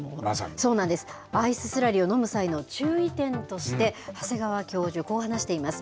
そうなんです、アイススラリーを飲む際の注意点として、長谷川教授、こう話しています。